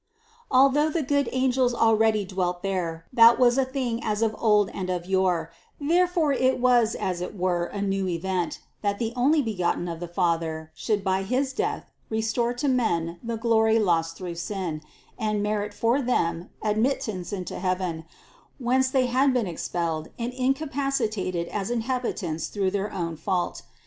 Although the good angels already dwelt there, that was a thing as of old and of yore; therefore it was as it were a new event, that the Onlybegotten of the Father should 200 CITY OF GOD by his death restore to men the glory lost through sin, and merit for them admittance into heaven, whence they had been expelled and incapacitated as inhabitants through their own fault.